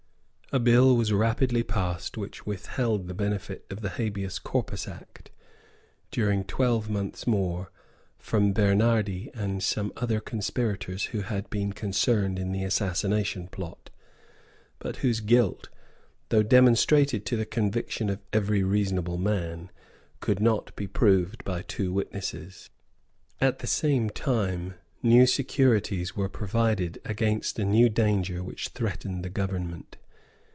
A bill was rapidly passed which withheld the benefit of the Habeas Corpus Act, during twelve months more, from Bernardi and some other conspirators who had been concerned in the Assassination Plot, but whose guilt, though demonstrated to the conviction of every reasonable man, could not be proved by two witnesses. At the same time new securities were provided against a new danger which threatened the government.